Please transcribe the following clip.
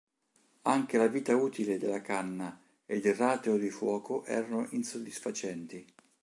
Anche la vita utile della canna ed il rateo di fuoco erano insoddisfacenti.